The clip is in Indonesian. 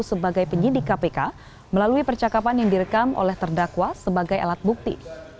sebagai penyidik kpk melalui percakapan yang direkam oleh terdakwa sebagai alat bukti